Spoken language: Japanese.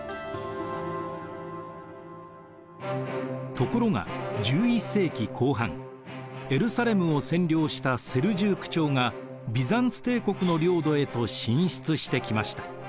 ところが１１世紀後半エルサレムを占領したセルジューク朝がビザンツ帝国の領土へと進出してきました。